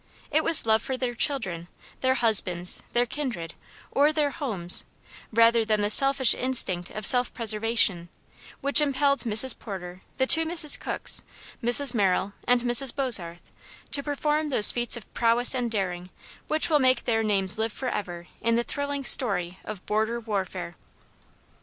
It was love for their children, their husbands, their kindred, or their homes rather than the selfish instinct of self preservation which impelled Mrs. Porter, the two Mrs. Cooks, Mrs. Merrill, and Mrs. Bozarth to perform those feats of prowess and daring which will make their names live for ever in the thrilling story of border warfare.